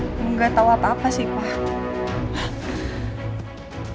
aku nggak tahu apa apa sih pak